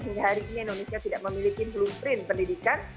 hingga hari ini indonesia tidak memiliki blueprint pendidikan